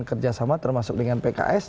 kerjasama termasuk dengan pks